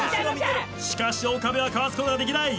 しかし岡部はかわすことができない。